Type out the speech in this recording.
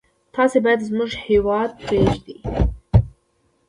تاسي باید زموږ هیواد پرېږدی.